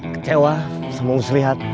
kecewa sama mus lihat